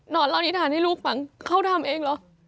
เล่านิษฐานให้ลูกฟังเขาทำเองเหรอ